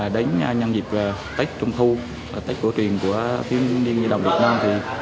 đến nhân dịp tết trung thu tết cổ truyền của tiến niên nhiên đồng việt nam